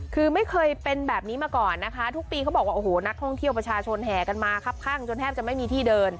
คือไม่เคยเป็นแบบนี้มาก่อนนะคะทุกปีเขาบอกว่าโอ้โหนักท่องเที่ยวประชาชนแห่กันมาครับข้างจนแทบจะไม่มีที่เดิน